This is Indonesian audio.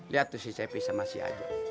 lihat tuh si cepi sama si ajo